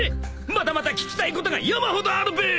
まだまだ聞きたいことが山ほどあるべ！